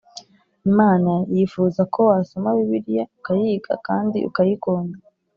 Imana yifuza ko wasoma Bibiliya ukayiga kandi ukayikunda